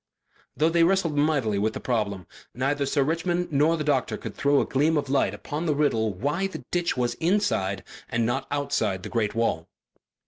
Though they wrestled mightily with the problem, neither Sir Richmond nor the doctor could throw a gleam of light upon the riddle why the ditch was inside and not outside the great wall.